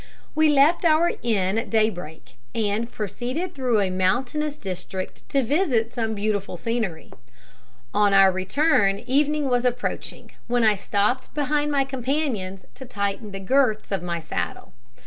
We left our inn at daybreak, and proceeded through a mountainous district to visit some beautiful scenery. On our return evening was approaching, when I stopped behind my companions to tighten the girths of my saddle.